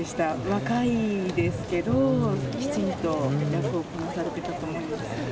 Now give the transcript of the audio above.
若いですけど、きちんと役をこなされてたと思います。